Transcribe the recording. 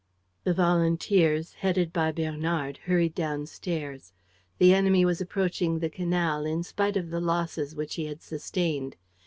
The volunteers, headed by Bernard, hurried downstairs. The enemy was approaching the canal, in spite of the losses which he had sustained.